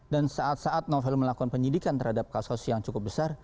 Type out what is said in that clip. dan saat novel melakukan penyidikan terhadap kasus yang cukup besar